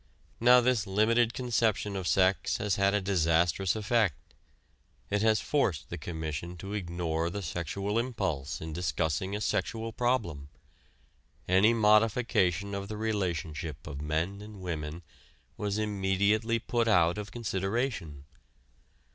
Now this limited conception of sex has had a disastrous effect: it has forced the Commission to ignore the sexual impulse in discussing a sexual problem. Any modification of the relationship of men and women was immediately put out of consideration.